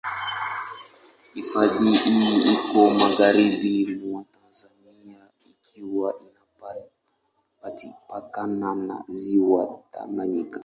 Hifadhi hii iko magharibi mwa Tanzania ikiwa inapakana na Ziwa Tanganyika.